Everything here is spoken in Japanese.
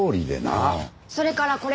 それからこれ。